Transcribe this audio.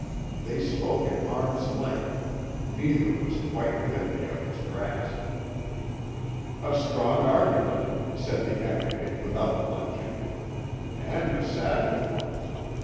They spoke at arm's length; neither was quite within the other's grasp. "A strong argument," said the Advocate, without blenching, "and a savage one.